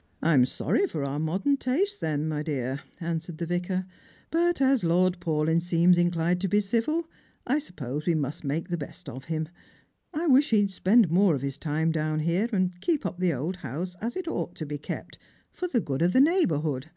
" I am sorry for our modern taste, then, my dear," answered the Vicar ;" but as Lord Paulyn seems inclined to be civil, I suppose we must make the best of him. I wish he'd spend more of his time down here, and keep up the old house as it ought to kept, for the good of the neighbourhood."